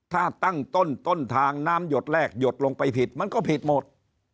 ถ้าตั้งต้นต้นทางน้ำหยดแรกหยดลงไปผิดมันก็ผิดหมด